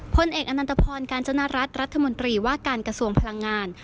พลเอกอนันตพรกาญจนรัฐรัฐมนตรีว่าการกระทรวงพลังงาน